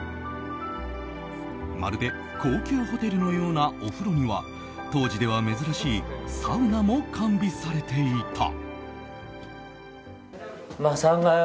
まるで高級ホテルのようなお風呂には当時では珍しいサウナも完備されていた。